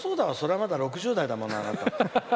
まだ６０代だもん、あなた。